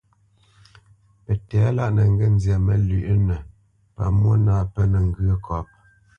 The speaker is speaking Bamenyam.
Pətɛ̌lâʼ nə ŋgê zyā məlywəʼnə pa mwô nâ pə́nə ŋgyə̌ kɔ̌p.